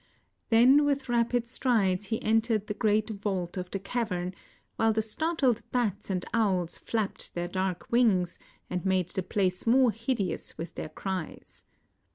Then with rapid strides he entered the great vault of the cavern, while the startled bats and owls flapped their dark wings and made the place more hideous with their cries.